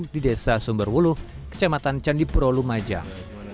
di desa sumberwuluh kecematan candi purulu majang